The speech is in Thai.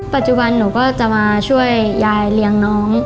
ปัจจุบันหนูก็จะมาช่วยยายเลี้ยงน้อง